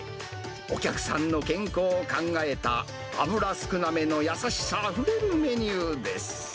お客さんの健康を考えた、油少なめの優しさあふれるメニューです。